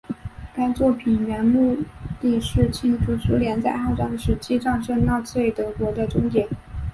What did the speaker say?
该作品原目的是庆祝苏联在二战时期战胜纳粹德国的终结。